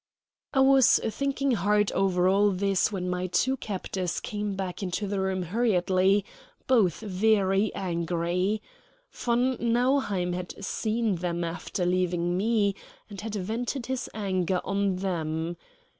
I was thinking hard over all this when my two captors came back into the room hurriedly, both very angry. Von Nauheim had seen them after leaving me, and had vented his anger on them.